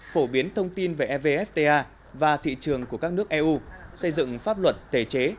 phổ biến thông tin về evfta và thị trường của các nước eu xây dựng pháp luật tề chế